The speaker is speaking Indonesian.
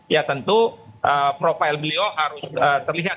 ya tentu profil beliau harus terlihat